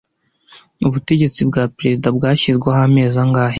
Ubutegetsi bwa Perezida bwashyizweho amezi angahe